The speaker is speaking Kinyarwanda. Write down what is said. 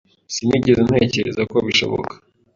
Sinigeze ntekereza ko bishoboka